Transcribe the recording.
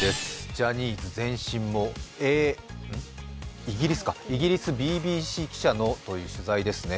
ジャニーズ事務所、イギリスＢＢ記者の取材ということですね。